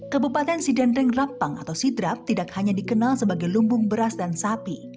kabupaten sidendeng rapang atau sidrap tidak hanya dikenal sebagai lumbung beras dan sapi